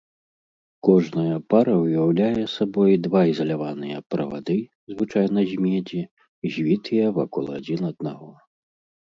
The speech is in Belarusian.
Кожная пара ўяўляе сабой два ізаляваныя правады, звычайна з медзі, звітыя вакол адзін аднаго.